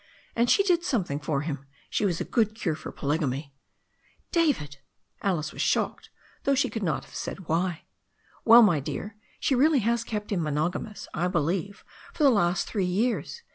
And she did something for him. She was a good cure for polygamy." "David I" Alice was shocked, though she could not have said why. "Well, my dear, she really has kept him monogamous, I believe, for the last three years.